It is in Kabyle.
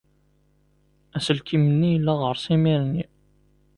Aselkim-nni yella ɣer-s imir-nni.